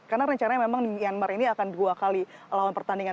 karena rencananya memang myanmar ini akan dua kali lawan pertandingan